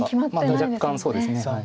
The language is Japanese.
まだ若干そうですね。